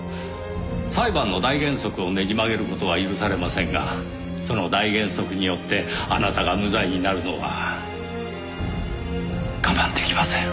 裁判の大原則をねじ曲げる事は許されませんがその大原則によってあなたが無罪になるのは我慢出来ません。